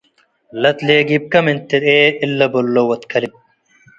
ለትሌጊብከ ምን ትርኤ እለ በሎ ወድ ከልብ